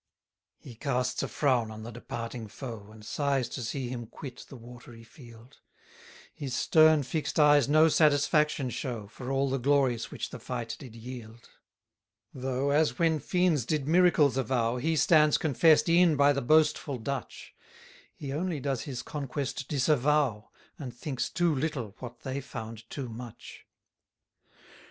136 He casts a frown on the departing foe, And sighs to see him quit the watery field: His stern fix'd eyes no satisfaction show, For all the glories which the fight did yield. 137 Though, as when fiends did miracles avow, He stands confess'd e'en by the boastful Dutch: He only does his conquest disavow, And thinks too little what they found too much.